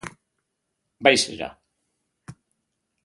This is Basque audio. Bai zera!